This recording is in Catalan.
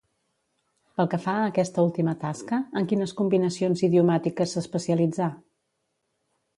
Pel que fa a aquesta última tasca, en quines combinacions idiomàtiques s'especialitzà?